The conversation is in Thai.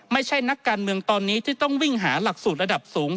ไม่ใช่นักการเมืองตอนนี้ที่ต้องวิ่งหาหลักสูตรระดับสูง